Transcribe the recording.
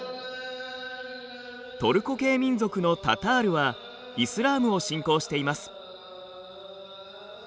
トルコ系民族のタタールはイスラームを信仰しています。